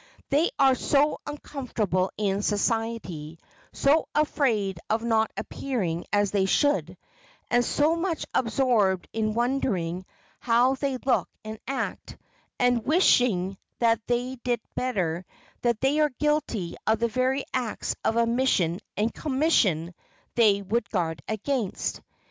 They are so uncomfortable in society, so afraid of not appearing as they should, and so much absorbed in wondering how they look and act, and wishing that they did better, that they are guilty of the very acts of omission and commission they would guard against.